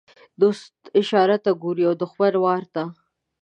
دوست اشارې ته ګوري او دښمن وارې ته.